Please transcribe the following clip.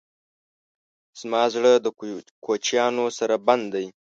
زما زړه د کوچیانو سره بند دی.